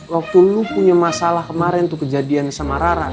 waktu lu punya masalah kemarin tuh kejadian sama rara